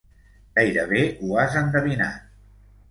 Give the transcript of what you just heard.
Gairebé ho has endevinat.